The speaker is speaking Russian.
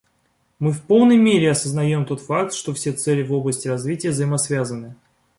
Мы в полной мере осознаем тот факт, что все цели в области развития взаимосвязаны.